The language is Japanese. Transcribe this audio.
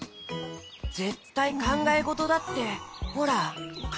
ぜったいかんがえごとだってほら。